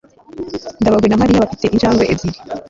ndabaga na mariya bafite injangwe ebyiri